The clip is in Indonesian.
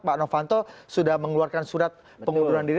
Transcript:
pak novanto sudah mengeluarkan surat pengunduran diri